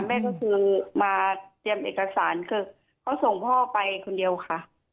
แม่ก็คือมาเตรียมเอกสารคือเขาส่งพ่อไปคนเดียวค่ะ